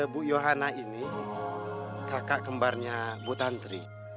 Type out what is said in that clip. bu yohana ini kakak kembarnya bu tantri